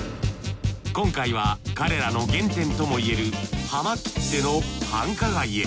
今回は彼らの原点ともいえるハマきっての繁華街へ。